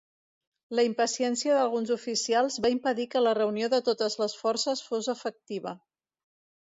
La impaciència d'alguns oficials va impedir que la reunió de totes les forces fos efectiva.